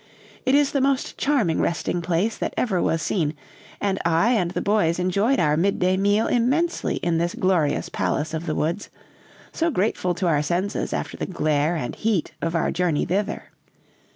It is the most charming resting place that ever was seen, and I and the boys enjoyed our midday meal immensely in this glorious palace of the woods, so grateful to our senses after the glare and heat of our journey thither.